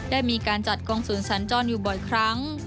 ได้มีการจัดกองศูนย์สัญจรอยู่บ่อยครั้ง